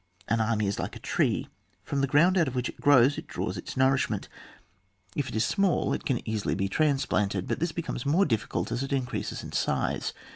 An army is like a tree» From the ground out of which it grows it draws its nourishment ; if it is small it can easily be transplanted, but this becomes more difficult as it increases in size.